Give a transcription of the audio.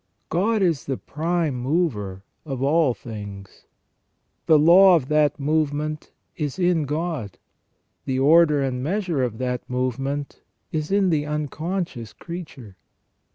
God is the prime mover of all things. The law of that movement is in God ; the order and measure of that movement is in the unconscious creature.